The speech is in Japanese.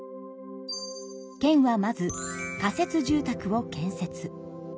県はまず仮設住宅を建設。